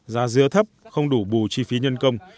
giá dứa thấp không đủ bù chi phí nhân công